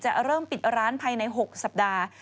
จะเริ่มปิดร้านภายใน๖สัปดาห์